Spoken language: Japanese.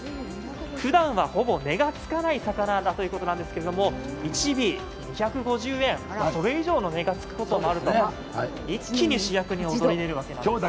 ふだんは、ほぼ値がつかない魚なんだというのですが１尾２５０円、それ以上の値がつくこともあると、一気に主役に躍り出るわけですね。